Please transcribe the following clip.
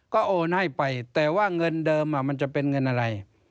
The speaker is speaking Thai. ก็โอนให้ไปแต่ว่าเงินเดิมมันจะเป็นเงินอะไร